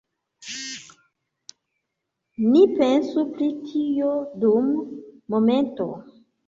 Ni pensu pri tio dum momento.